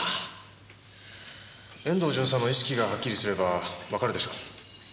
遠藤巡査の意識がはっきりすればわかるでしょう。